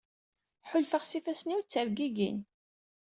Ḥulfaɣ s yifassen-iw ttergigin.